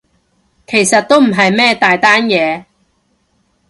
其實都唔係咩大單嘢